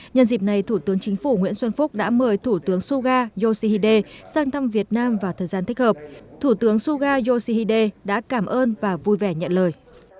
nhân dịp này thủ tướng chính phủ nguyễn xuân phúc đã mời thủ tướng suga yoshihide sang thăm việt nam vào thời gian thích hợp thủ tướng suga yoshihide đã cảm ơn và vui vẻ nhận lời